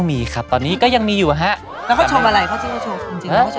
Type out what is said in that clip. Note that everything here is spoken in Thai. มีตอนนี้ก็ยังมีอยู่หรอฮะ